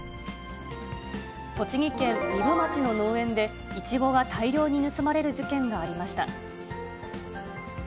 栃木県壬生町の農園で、イチゴが大量に盗まれる事件がありました。